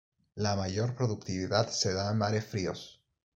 La mayor productividad se da en mares fríos.